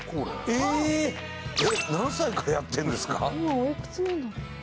えっ何歳からやってるんですか？